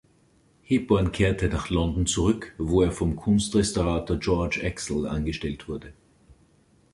Hebborn kehrte nach London zurück, wo er vom Kunstrestaurator George Aczel angestellt wurde.